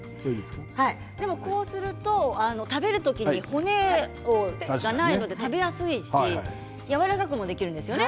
でもこうすると食べる時に骨がないので食べやすいしやわらかくもできるんですよね。